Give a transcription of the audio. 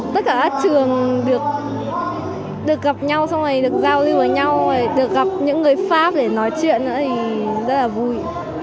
tất cả các trường được gặp nhau xong rồi được giao lưu với nhau được gặp những người pháp để nói chuyện nữa thì rất là vui